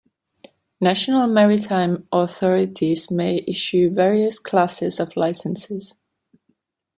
National maritime authorities may issue various classes of licenses.